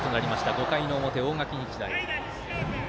５回の表、大垣日大。